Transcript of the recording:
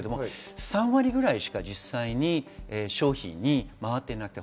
３割ぐらいしか実際に消費に回っていないのです。